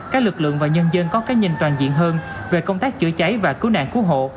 các lực lượng và nhân dân có cái nhìn toàn diện hơn về công tác chữa cháy và cứu nạn cứu hộ